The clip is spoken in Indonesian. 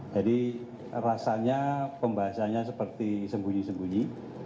jadi rasanya pembahasannya seperti sembunyi sembunyi